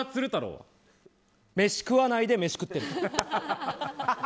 飯食わないで飯食ってる。